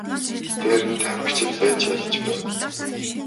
Дээр нь тамхичид байж ядаж байв.